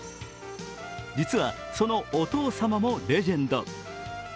実はそのお父様もレジェンド。